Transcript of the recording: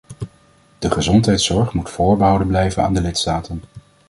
De gezondheidszorg moet voorbehouden blijven aan de lidstaten.